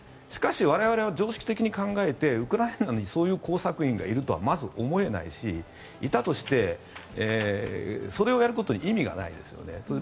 しかし我々は常識的に考えてウクライナにそういう工作員がいるとはまず思えないしいたとして、それをやることに意味がないですよね。